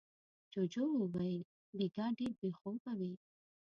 جوجو وويل: بېګا ډېر بې خوبه وې.